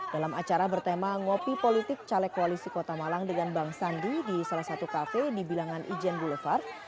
dalam acara bertema ngopi politik caleg koalisi kota malang dengan bang sandi di salah satu kafe di bilangan ijen boulevard